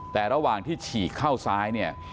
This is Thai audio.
แต่ระหว่างที่ฉีกเข้าซ้ายเนี่ย